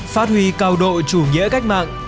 phát huy cao độ chủ nghĩa cách mạng